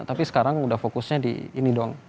tapi sekarang udah fokusnya di ini dong